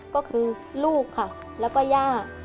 ก็คือลูกค่ะแล้วก็ย่า